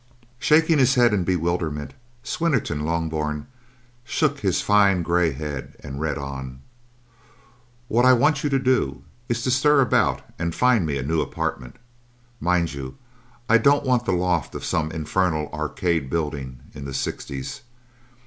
Shaking his head in bewilderment, Swinnerton Loughburne shook his fine grey head and read on: "What I want you to do, is to stir about and find me a new apartment. Mind you, I don't want the loft of some infernal Arcade building in the Sixties.